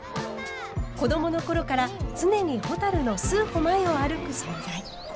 子どもの頃から常にほたるの数歩前を歩く存在。